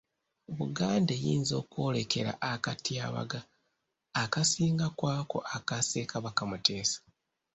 Buganda eyinza okwolekera akatyabaga akasinga ku ako aka Ssekabaka Muteesa.